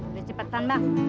udah cepetan bang